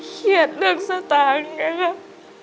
เขียนเรื่องสตางค์อย่างนั้น